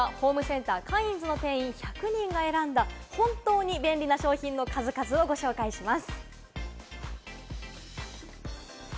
そして９時４０分頃からのエンタメは、ホームセンター・カインズの店員１００人が選んだ本当に便利な商品の数々をご紹介します。